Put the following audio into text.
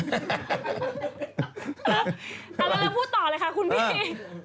ต่อไปเราพูดต่อเลยค่ะคุณพี่